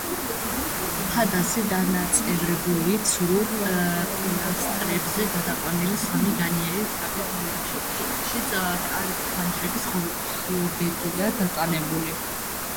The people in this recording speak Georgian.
ფასადი დანაწევრებულია ცრუ პილასტრებზე გადაყვანილი სამი განიერი თაღით, რომლებშიც კარ-ფანჯრების ღიობებია დატანებული.